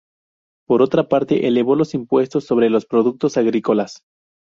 Por otra parte, elevó los impuestos sobre los productos agrícolas.